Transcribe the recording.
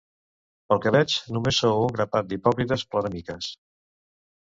Pel que veig només sou un grapat d'hipòcrites ploramiques.